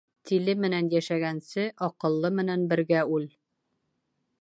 Тиле менән йәшәгәнсе, аҡыллы менән бергә үл.